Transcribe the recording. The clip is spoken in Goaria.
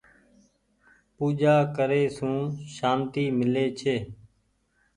پوجآ ڪري سون سانتي ميلي ڇي۔